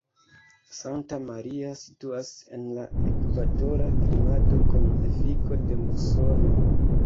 Santa Maria situas en la ekvatora klimato kun efiko de musono.